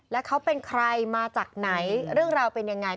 แล้วเขาเป็นใครมาจากไหนเรื่องราวเป็นยังไง